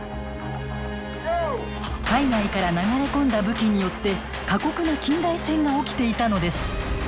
海外から流れ込んだ武器によって過酷な近代戦が起きていたのです。